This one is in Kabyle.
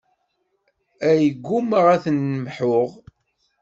Ay ggummaɣ ad ten-mḥuɣ.